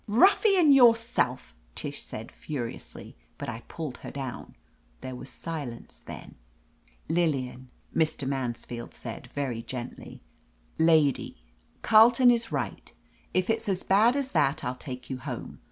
"Ruffian yourself," Tish said furiously, but I pulled her down. There was silence, then — "Lillian," Mr. Mansfield said very gently, " *Lady' Carleton is right. If it's as bad as that I'll take you home.